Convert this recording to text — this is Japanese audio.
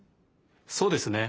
そうですね。